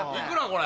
これ。